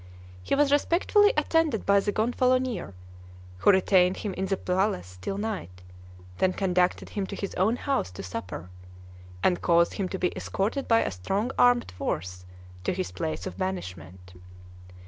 He was respectfully attended by the Gonfalonier, who retained him in the palace till night, then conducted him to his own house to supper, and caused him to be escorted by a strong armed force to his place of banishment.